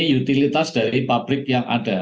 utilitas dari pabrik yang ada